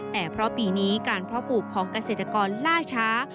แต่เพราะปีนี้การเพาะปลูกของเกษตรกรล่าช้า